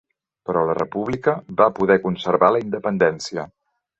Però la república va poder conservar la independència.